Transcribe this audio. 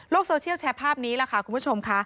โซเชียลแชร์ภาพนี้ล่ะค่ะคุณผู้ชมค่ะ